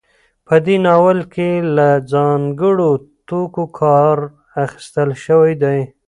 په دې ناول کې له ځانګړو توکو کار اخیستل شوی دی.